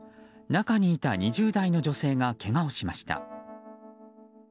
中にいた２０代の女性がけがをしました。